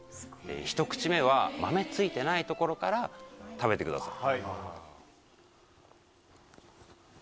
ひと口目は豆ついてない所から食べてください。